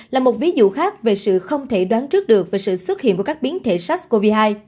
là một ví dụ khác về sự không thể đoán trước được về sự xuất hiện của các biến thể sars cov hai